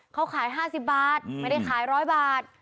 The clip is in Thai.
เขาขาย๕๐บาทไม่ได้ขาย๑๐๐บาท